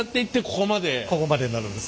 ここまでなるんです。